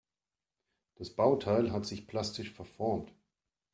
Das Bauteil hat sich plastisch verformt.